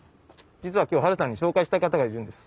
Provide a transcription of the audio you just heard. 実は今日ハルさんに紹介したい方がいるんです。